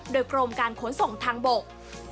โดยกรมการขนส่งทางบก